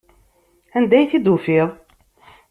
Anda ay t-id-tufiḍ?